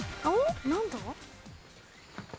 何だ？